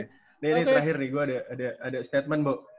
ini nih terakhir nih gua ada statement bo